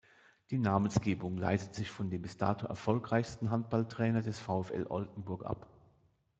Die Namensgebung leitet sich von dem bis dato erfolgreichsten Handballtrainer des VfL Oldenburg ab.